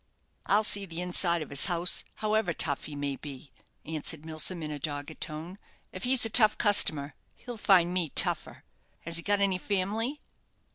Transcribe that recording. "I'll see the inside of his house, however tough he may be," answered Milsom, in a dogged tone. "If he's a tough customer, he'll find me a tougher. Has he got any family?"